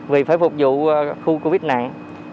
vì phải phục vụ khu covid nặng